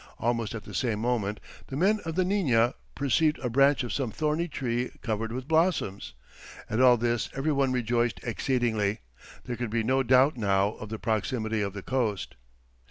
Almost at the same moment, the men of the Nina perceived a branch of some thorny tree covered with blossoms. At all this every one rejoiced exceedingly; there could be no doubt now of the proximity of the coast.